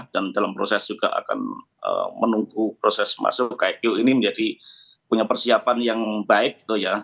dan dalam proses juga akan menunggu proses masuk ipo ini menjadi punya persiapan yang baik gitu ya